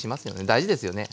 大事ですよね。